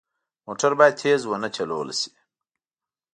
موټر باید تېز نه وچلول شي.